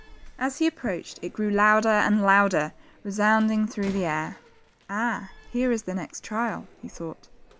As he approached, it grew louder and louder, resounding through the air. Ah, here is the next trial," he thought.